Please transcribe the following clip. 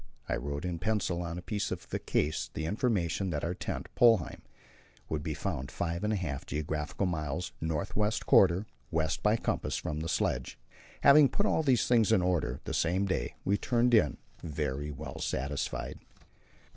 I wrote in pencil on a piece of case the information that our tent "Polheim" would be found five and a half geographical miles north west quarter west by compass from the sledge. Having put all these things in order the same day, we turned in, very well satisfied.